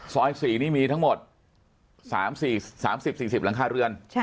๔นี่มีทั้งหมด๓๐๔๐หลังคาเรือน